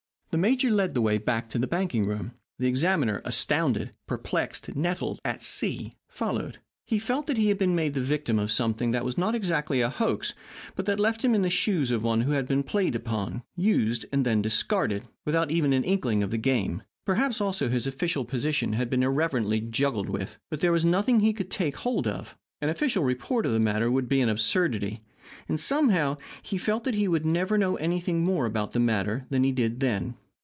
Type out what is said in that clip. The major led the way back into the banking room. The examiner, astounded, perplexed, nettled, at sea, followed. He felt that he had been made the victim of something that was not exactly a hoax, but that left him in the shoes of one who had been played upon, used, and then discarded, without even an inkling of the game. Perhaps, also, his official position had been irreverently juggled with. But there was nothing he could take hold of. An official report of the matter would be an absurdity. And, somehow, he felt that he would never know anything more about the matter than he did then.